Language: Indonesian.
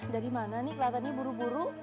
dari mana nih kelihatannya buru buru